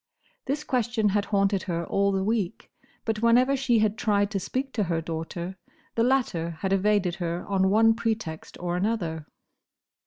This question had haunted her all the week; but whenever she had tried to speak to her daughter, the latter had evaded her on one pretext or another.